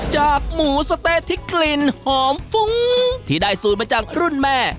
หมูสะเต๊ะที่กลิ่นหอมฟุ้งที่ได้สูตรมาจากรุ่นแม่